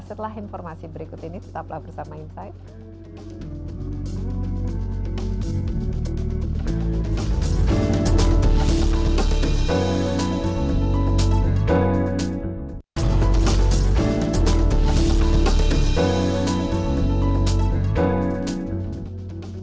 setelah informasi berikut ini tetaplah bersama insight